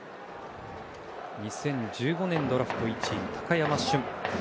２０１５年、ドラフト１位高山俊。